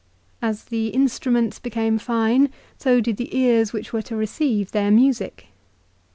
As the instru ments became fine so did the ears which were to receive their music.